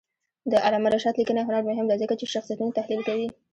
د علامه رشاد لیکنی هنر مهم دی ځکه چې شخصیتونه تحلیل کوي.